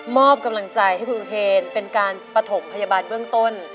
อบกำลังใจให้คุณอุเทนเป็นการปฐมพยาบาลเบื้องต้น